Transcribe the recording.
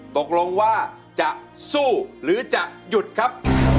ตกลงว่าจะสู้หรือจะหยุดครับ